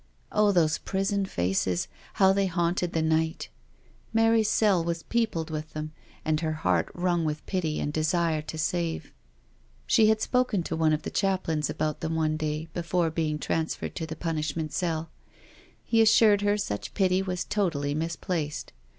Oh, those prison faces, how they haunted the night I Mary's cell was peopled with them, and her heart wrung with pity and desire to save. She had spoken to one of the chaplains about them one day before being transferred to the punishment cell. He assured her such pity was totally misplaced.